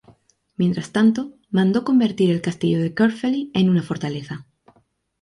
Mientras tanto, mandó convertir el castillo de Caerphilly en una fortaleza.